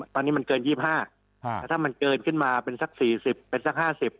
ตอนนี้มันเกิน๒๕แต่ถ้ามันเกินขึ้นมาเป็นสัก๔๐เป็นสัก๕๐